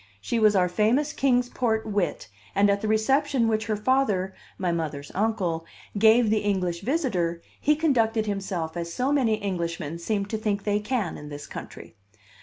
She was our famous Kings Port wit, and at the reception which her father (my mother's uncle) gave the English visitor, he conducted himself as so many Englishmen seem to think they can in this country.